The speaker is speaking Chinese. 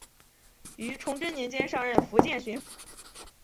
于崇祯年间上任福建巡抚。